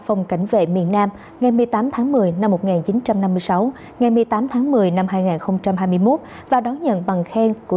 phòng cảnh vệ miền nam ngày một mươi tám tháng một mươi năm một nghìn chín trăm năm mươi sáu ngày một mươi tám tháng một mươi năm hai nghìn hai mươi một và đón nhận bằng khen của